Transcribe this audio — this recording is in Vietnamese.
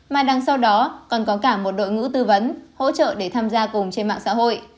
mà đằng sau đó còn có cả một đội ngũ tư vấn hỗ trợ để tham gia cùng trên mạng xã hội